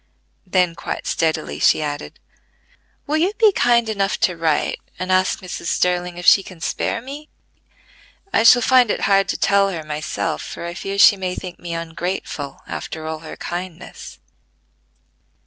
Then quite steadily she added: "Will you be kind enough to write, and ask Mrs. Sterling if she can spare me? I shall find it hard to tell her myself, for I fear she may think me ungrateful after all her kindness."